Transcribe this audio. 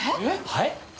はい？